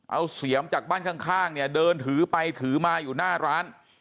เอาเสียมจากบ้านข้างเนี่ยเดินถือไปถือมาอยู่หน้าร้าน